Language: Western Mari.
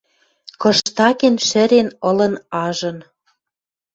Кыштакен шӹрен ылын ажын.